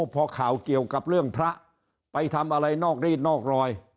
พอข่าวเกี่ยวกับเรื่องพระไปทำอะไรนอกรีดนอกรอย